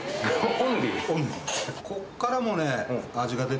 オンリー。